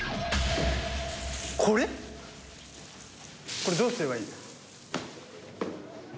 これどうすればいい？